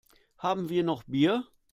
Haben wir noch Bier?